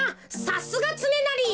さすがつねなり。